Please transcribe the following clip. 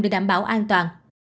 để đảm bảo an toàn